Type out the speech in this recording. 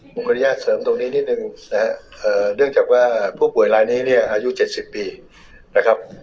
มุมกริยาเสริมตรงนี้นิดหนึ่งนะฮะเอ่อเนื่องจากว่าผู้ป่วยรายนี้เนี่ยอายุเจ็ดสิบปีนะครับ